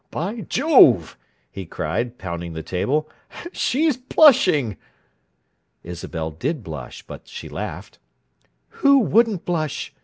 By Jove!" he cried, pounding the table. "She's blushing!" Isabel did blush, but she laughed. "Who wouldn't blush!"